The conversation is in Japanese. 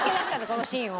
このシーンを。